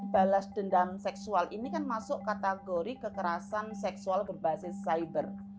balas dendam seksual ini kan masuk kategori kekerasan seksual berbasis cyber